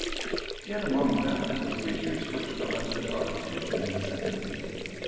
Yet among them were figures which arrested our attention and sympathy.